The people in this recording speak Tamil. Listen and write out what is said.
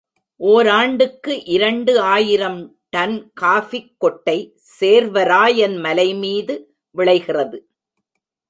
ஓராண்டுக்கு இரண்டு ஆயிரம் டன் காஃபிக் கொட்டை சேர்வராயன் மலைமீது விளைகிறது.